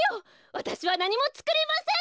わたしはなにもつくりません！